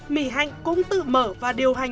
mỹ hạnh cũng tự mở và điều hành